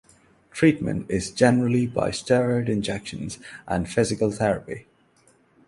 Treatment is generally by steroid injections and physical therapy.